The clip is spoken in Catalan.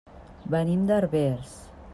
Venim de Herbers.